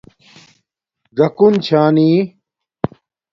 ژکُن چھانݵ